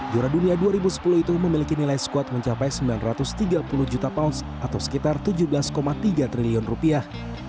juara dunia dua ribu sepuluh itu memiliki nilai squad mencapai sembilan ratus tiga puluh juta pounds atau sekitar tujuh belas tiga triliun rupiah